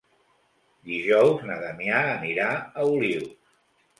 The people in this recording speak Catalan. Dijous na Damià anirà a Olius.